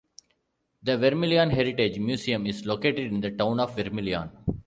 The "Vermilion Heritage Museum" is located in the town of Vermilion.